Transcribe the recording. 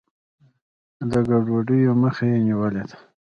د ګډوډیو مخه یې نیولې ده.